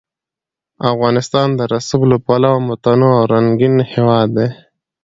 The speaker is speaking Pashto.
افغانستان د رسوب له پلوه یو متنوع او رنګین هېواد دی.